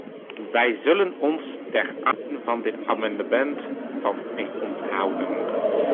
Wij zullen ons ten aanzien van dit amendement van stemming onthouden.